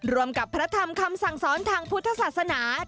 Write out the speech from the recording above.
รวมกับพระธรรมคำสั่งสอนทางพุทธศาสนา